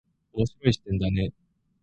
面白い視点だね。